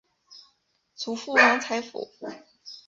祖父王才甫。